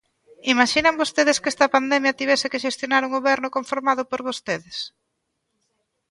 ¿Imaxinan vostedes que esta pandemia a tivese que xestionar un goberno conformado por vostedes?